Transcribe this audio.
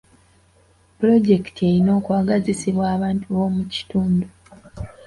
Pulojekiti erina okwagazisibwa bantu b'omu kitundu.